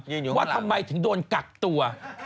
อยู่ข้างหลังก็ทำไมถึงโดนกักตัว